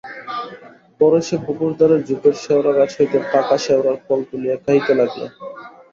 পরে সে পুকুরধারের ঝোপের শেওড়া গাছ হইতে পাকা শেওড়ার ফল তুলিয়া খাইতে লাগিল।